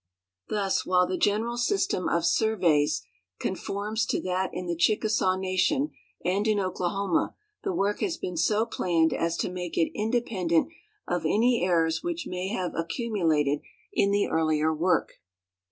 Thus while the general system of surveys conforms to that in the Chickasaw nation and in Oklahoma, the work has been so planned as to make it independent of any errors which may have accumulated in the earlier work.